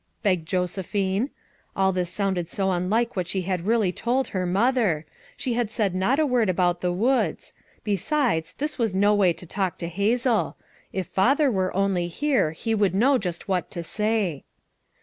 begged Josephine. All this sounded so unlike what she had really told her mother; she had said not a word about the woods; besides, this was no way to talk to Hazel ; if father were only here he would know just what to say.